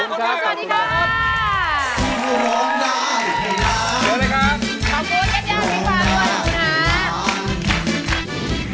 ขอบคุณใหญ่ใหญ่พี่ฟาง่ารวมคือน้ำ